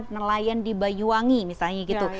nelayan di banyuwangi misalnya gitu